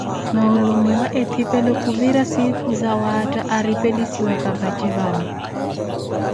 Noolumiya etthipele khuvira siikhu sawatta aretevisiyaka vace vawe.